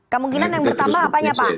kemungkinan yang bertambah apa ya pak